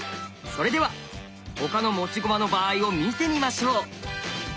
それでは他の持ち駒の場合を見てみましょう。